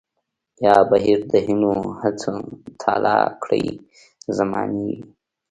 يا بهير د هيلو هڅو تالا کړے زمانې وي